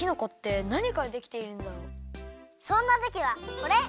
そんなときはこれ！